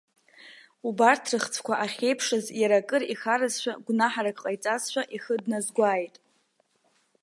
Убарҭ рыхцәқәа ахьеиԥшыз иара акыр ихаразшәа, гәнаҳарак ҟаиҵазшәа, ихы дназгәааит.